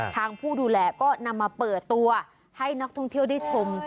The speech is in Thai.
ผู้ดูแลก็นำมาเปิดตัวให้นักท่องเที่ยวได้ชม